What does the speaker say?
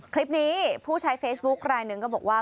คลิปนี้ผู้ใช้เฟสบุ๊กรายหนึ่งก็บอกว่า